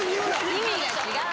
意味が違う。